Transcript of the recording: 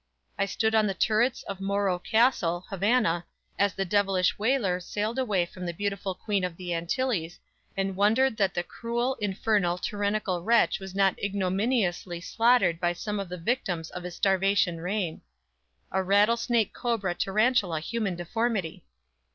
I stood on the turrets of Morro Castle, Havana, as the devilish Weyler sailed away from the beautiful "Queen of the Antilles," and wondered that the cruel, infernal, tyrannical wretch was not ignominiously slaughtered by some of the victims of his starvation reign. A rattlesnake cobra tarantula human deformity!